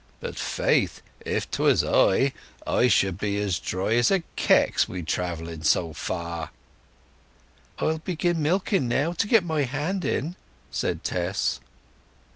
But faith, if 'twas I, I should be as dry as a kex wi' travelling so far." "I'll begin milking now, to get my hand in," said Tess.